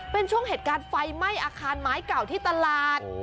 เป็นช่วงเหตุการณ์ไฟไหม้อาคารไม้เก่าที่ตลาด